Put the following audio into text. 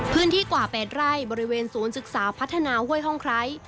พื้นที่กว่า๘ไร่บริเวณศูนย์ศึกษาพัฒนาห้วยห้องไคร้